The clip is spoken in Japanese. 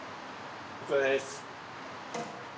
お疲れさまです